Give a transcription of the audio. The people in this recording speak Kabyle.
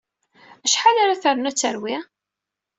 Acḥal ara ternu ad terwi?